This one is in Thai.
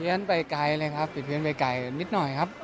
ไปไกลเลยครับปิดเพี้ยนไปไกลนิดหน่อยครับ